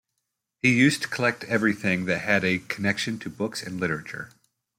He used collect everything that had a connection to books and literature.